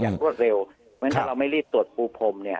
เมื่อถ้าเราไม่รีบตรวจภูพงษ์นี่